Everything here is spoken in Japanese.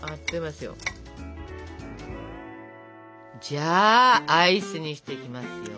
じゃあアイスにしていきますよ！